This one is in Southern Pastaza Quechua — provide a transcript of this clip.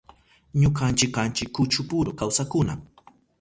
Ñukanchi kanchi kuchupuru kawsakkuna.